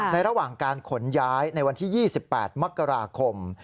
ระหว่างการขนย้ายในวันที่๒๘มกราคม